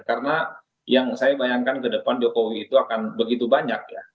karena yang saya bayangkan ke depan jokowi itu akan begitu banyak ya